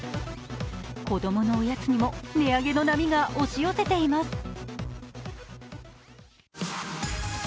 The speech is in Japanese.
子供のおやつにも値上げの波が押し寄せています。